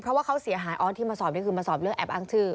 เพราะว่าเขาเสียหายออสที่มาสอบนี่คือมาสอบเลือกแอบอ้างชื่อ